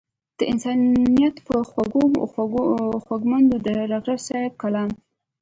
د انسانيت پۀ خوږو خوږمند د ډاکټر صېب کلام